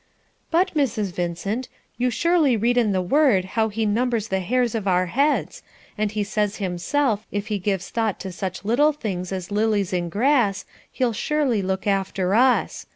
"But, Mrs. Vincent, you surely read in the Word how he numbers the hairs of our heads, and he says himself if he gives thought to such little things as lilies and grass, he'll surely look after us.